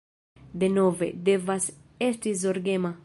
Denove, devas esti zorgema